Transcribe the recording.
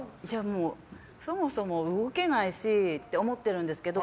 もう、そもそも動けないしって思ってるんですけど。